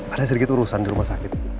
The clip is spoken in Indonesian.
ada sedikit urusan di rumah sakit